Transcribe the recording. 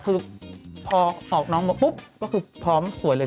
คือพอออกน้องมาปุ๊บก็คือพร้อมสวยเลย